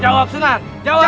jawab sunan jawab